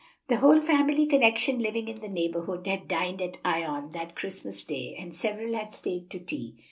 The whole family connection living in the neighborhood had dined at Ion that Christmas day, and several had stayed to tea.